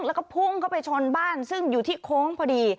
แล้วก็พุ่งเข้าไปชนบ้านซึ่งอยู่ที่โค้งพอดี